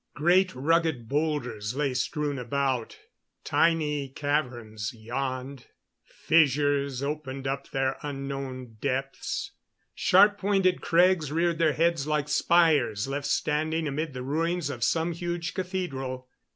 Great rugged bowlders lay strewn about; tiny caverns yawned; fissures opened up their unknown depths; sharp pointed crags reared their heads like spires left standing amid the ruins of some huge cathedral.